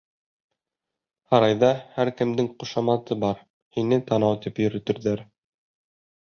Һарайҙа һәр кемдең ҡушаматы бар. һине Танау тип йөрөтөрҙәр.